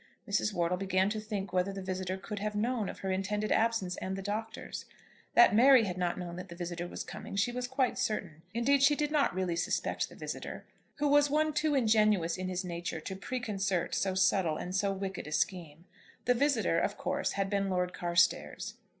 Mrs. Wortle began to think whether the visitor could have known of her intended absence and the Doctor's. That Mary had not known that the visitor was coming she was quite certain. Indeed she did not really suspect the visitor, who was one too ingenuous in his nature to preconcert so subtle and so wicked a scheme. The visitor, of course, had been Lord Carstairs.